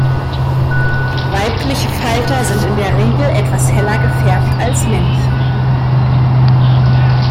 Weibliche Falter sind in der Regel etwas heller gefärbt, als Männchen.